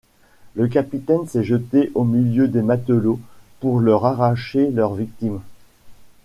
Le capitaine s’est jeté au milieu des matelots, pour leur arracher leur victime.